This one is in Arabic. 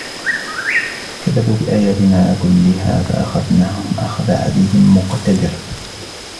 كَذَّبُوا بِآيَاتِنَا كُلِّهَا فَأَخَذْنَاهُمْ أَخْذَ عَزِيزٍ مُقْتَدِرٍ